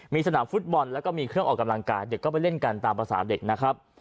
มีสนามฟุตบอลแล้วก็มีเครื่องออกกำลังกายเด็กก็ไปเล่นกันตามภาษาเด็กนะครับ